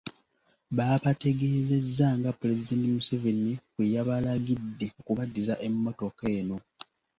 Baabategeezezza nga Pulezidenti Museveni bwe yabalagidde okubaddiza emmotoka eno.